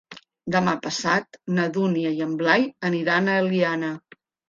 Demà passat na Dúnia i en Blai aniran a l'Eliana.